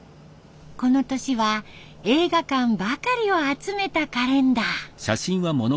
この年は映画館ばかりを集めたカレンダー。